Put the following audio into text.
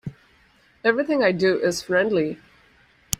Everything I do is friendly.